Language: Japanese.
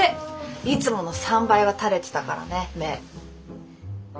いつもの３倍は垂れてたからね目。